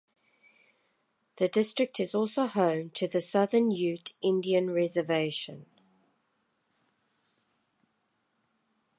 The district is also home to the Southern Ute Indian Reservation.